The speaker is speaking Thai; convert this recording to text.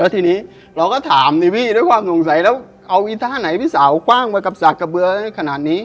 ทีนี้เราก็ถามนี่พี่ด้วยความสงสัยแล้วเอาอีท่าไหนพี่สาวกว้างมากับสากกระเบือได้ขนาดนี้